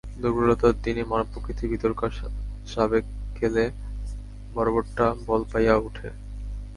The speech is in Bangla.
দুর্বলতার দিনে মানবপ্রকৃতির ভিতরকার সাবেককেলে বর্বরটা বল পাইয়া উঠে।